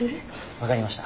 分かりました。